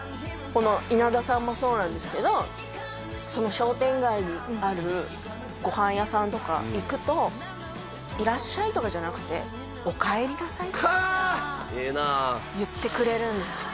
このいなださんもそうなんですけどその商店街にあるご飯屋さんとか行くと「いらっしゃい」とかじゃなくて「おかえりなさい」かあ！ええなあ言ってくれるんですよ